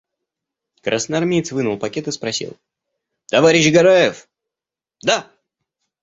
Красноармеец вынул пакет и спросил: – Товарищ Гараев? – Да.